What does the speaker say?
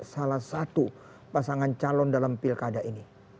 salah satu pasangan calon dalam pilkada ini